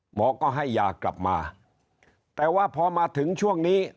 หมอก็ให้ยากลับมาแต่ว่าพอมาถึงช่วงนี้